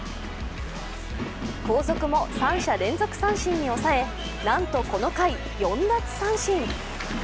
後続も三者連続三振に抑えなんとこの回、４奪三振。